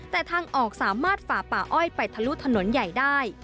แต่ทางออกสามารถฝ่าป่าอ้อยไปทะลุถนนใหญ่ได้